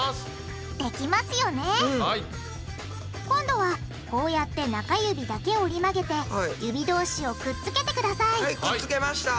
今度はこうやって中指だけ折り曲げて指同士をくっつけてくださいはいくつけました。